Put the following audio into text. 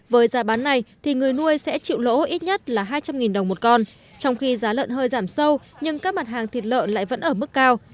với giá bán này thì người nuôi sẽ chịu lỗ ít nhất là hai trăm linh đồng một con trong khi giá lợn hơi giảm sâu nhưng các mặt hàng thịt lợn lại vẫn ở mức cao